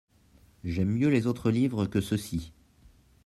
J'aime mieux les autres livres que ceux-ci.